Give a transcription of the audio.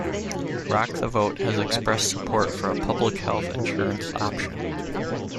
Rock the Vote has expressed support for a public health insurance option.